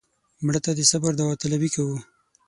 مړه ته د صبر داوطلبي کوو